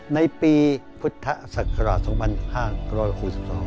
ในปีพุทธศักราช๒๕๖๒